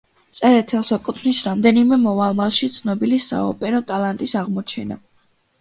წერეთელს ეკუთვნის რამდენიმე მომავალში ცნობილი საოპერო ტალანტის აღმოჩენა.